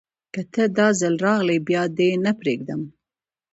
که ته، داځل راغلي بیا دې نه پریږدم